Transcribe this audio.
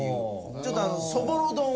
ちょっとそぼろ丼を意識した。